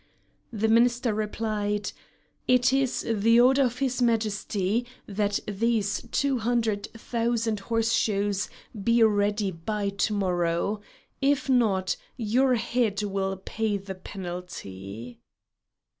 The Minister replied: "It is the order of his Majesty that these two hundred thousand horseshoes be ready by to morrow; if not, your head will pay the penalty."